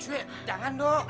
cue jangan dong